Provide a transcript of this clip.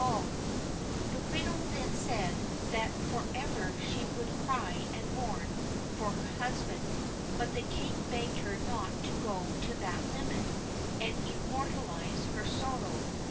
L 81 THE BLUE BIRD The widow then said that for ever she would cry and mourn for her husband, but the King begged her not to go to that limit and immortalise her sorrow.